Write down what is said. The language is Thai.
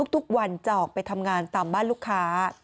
ทุกวันจะออกไปทำงานตามบ้านลูกค้า